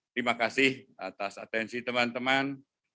terima kasih atas atensi teman teman